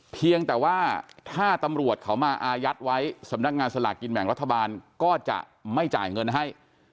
เพียงแต่ว่าถ้าตำรวจเขามาอายัดไว้สำนักงานสลากกินแบ่งรัฐบาลก็จะไม่จ่ายเงินให้